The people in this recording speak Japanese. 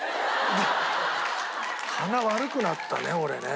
鼻悪くなったね俺ね。